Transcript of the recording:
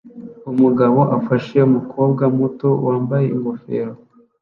Umugabo afashe umukobwa muto wambaye ingofero